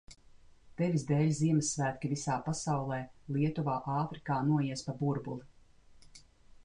Tevis dēļ Ziemassvētki visā pasaulē, Lietuvā, Āfrikā, noies pa burbuli!